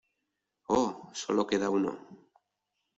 ¡ Oh! Sólo queda uno.